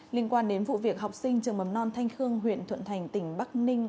liên quan đến vụ việc học sinh trường mầm non thanh khương huyện thuận thành tỉnh bắc ninh